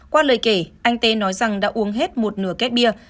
qua lời kể anh t v t nói rằng đã uống hết một nửa két bia